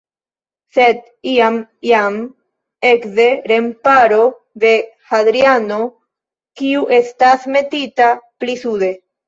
Sed iam jam ekde remparo de Hadriano, kiu estas metita pli sude.